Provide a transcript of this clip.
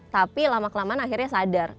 tapi lama kelamaan akhirnya sadar